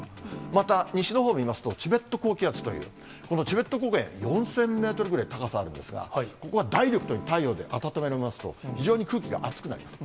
また、西のほう見ますと、チベット高気圧という、このチベット高気圧、４０００メートルぐらい高さあるんですが、ここはダイレクトに太陽で暖められますと、非常に空気が暑くなります。